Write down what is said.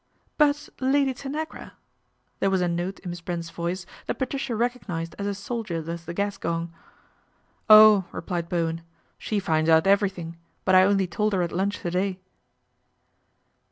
" But, Lady Tanagra " There was a note ir ' t Miss Brent's voice that Patricia recognised as '<. I soldier does the gas gong. " Oh !" replied Bowen, " she finds out every '' thing ; but I only told her at lunch to day."